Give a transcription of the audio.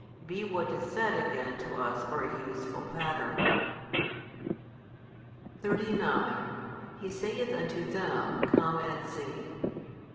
Be what is said again to us for a useful pattern. 39 He saith unto them, Come and see.